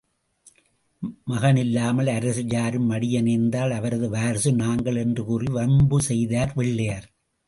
மகன் இல்லாமல் அரசர் யாரும் மடிய நேர்ந்தால் அவரது வார்சு நாங்கள் என்றுகூறி வம்பு செய்தார் வெள்ளையர்.